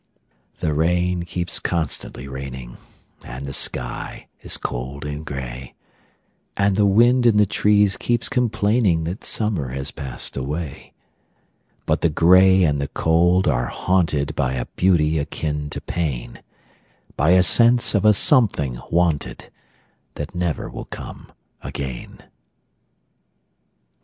The rain keeps constantly raining, And the sky is cold and gray, And the wind in the trees keeps complainingThat summer has passed away;—But the gray and the cold are hauntedBy a beauty akin to pain,—By a sense of a something wanted, That never will come again.